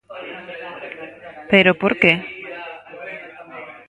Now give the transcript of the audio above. Pero por que?